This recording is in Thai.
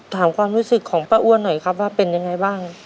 ถามความรู้สึกของป้าอ้วนหน่อยครับว่าเป็นยังไงบ้าง